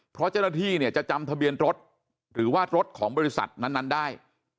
เพราะเจ้าหน้าที่เนี่ยจะจำทะเบียนรถหรือว่ารถของบริษัทนั้นได้